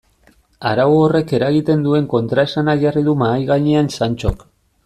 Arau horrek eragiten duen kontraesana jarri du mahai gainean Santxok.